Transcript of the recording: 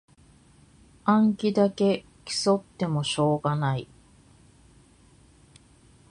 暗記だけ競ってもしょうがない